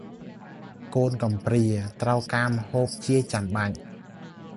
កូនកំព្រា ត្រូវការម្ហូបជាចាំបាច់ ។